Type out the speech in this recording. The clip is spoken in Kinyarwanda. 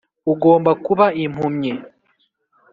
ugomba kuba impumyi